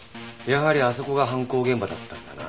やはりあそこが犯行現場だったんだな。